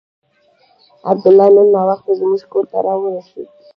عبدالله نن ناوخته زموږ کور ته راورسېد.